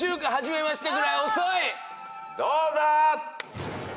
どうだ？